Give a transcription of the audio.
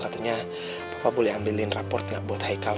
katanya papa boleh ambilin rapot enggak buat haikal